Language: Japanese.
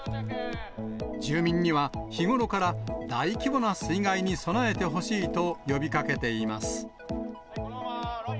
住民には日頃から、大規模な水害に備えてほしいと呼びかけています。